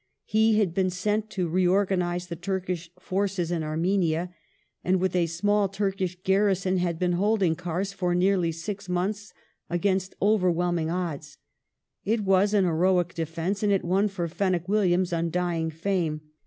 He had been sent to reorganize ^^^^ the Turkish forces in Armenia, and with a small Turkish garrison had been holding Kars for nearly six months against overwhelm ing odds. It was an heroic defence and it won for Fenwick Williams undying fame.